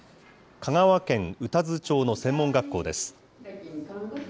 香川県宇多津町の専門学校です。